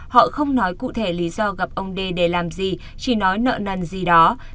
họ không nói cụ thể lý do gặp ông đê để làm gì chỉ nói nợ nần gì đó